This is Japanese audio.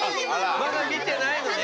まだ見てないのね。